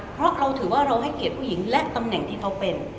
เพราะเราถือว่าเราให้เกียรติผู้หญิงและตำแหน่งที่เขาเป็น